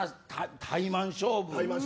タイマン勝負。